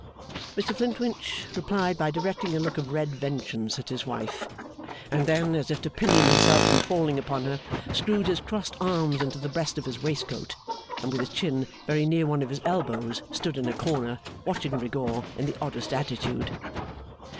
Mr Flintwinch replied by directing a look of red vengeance at his wife, and then, as if to pinion himself from falling upon her, screwed his crossed arms into the breast of his waistcoat, and with his chin very near one of his elbows stood in a corner, watching Rigaud in the oddest attitude.